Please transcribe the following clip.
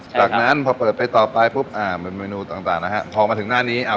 จากนั้นพอเปิดไปต่อไปปุ๊บอ่าเป็นเมนูต่างนะฮะพอมาถึงหน้านี้